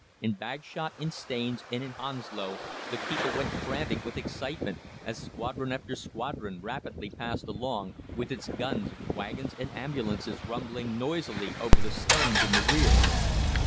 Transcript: In Bagshot, in Staines, and in Hounslow the people went frantic with excitement, as squadron after squadron rapidly passed along, with its guns, waggons, and ambulances rumbling noisily over the stones in the rear.